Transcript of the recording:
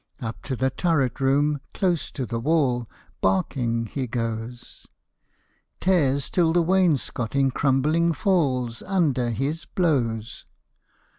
Up to the turret room, close to the wall. Barking he goes ; Tears till the wainscoting crumbling falls Under his blows.